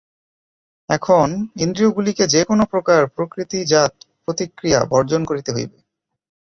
এখন ইন্দ্রিয়গুলিকে যে-কোন প্রকার প্রকৃতি-জাত প্রতিক্রিয়া বর্জন করিতে হইবে।